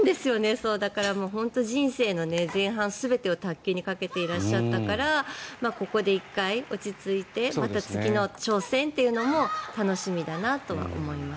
だから、もう本当に人生の前半全てを卓球にかけていらっしゃったからここで１回落ち着いてまた次の挑戦というのも楽しみだなとは思います。